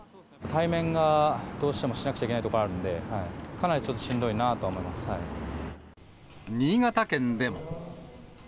対面がどうしてもしなくちゃいけないところはあるんで、かなりちょっとしんどいなとは思新潟県でも。